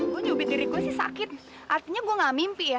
gue nyubit diriku sih sakit artinya gue gak mimpi ya